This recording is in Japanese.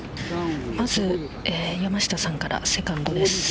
山下さんからセカンドです。